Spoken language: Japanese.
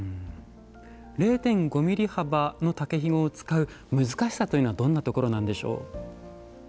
０．５ｍｍ幅の竹ひごを使う難しさというのはどんなところなんでしょう？